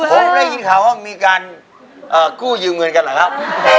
ผมได้ยินข่าวว่ามีการกู้ยืมเงินกันเหรอครับ